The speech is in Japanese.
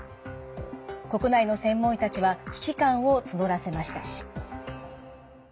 国内の専門医たちは危機感を募らせました。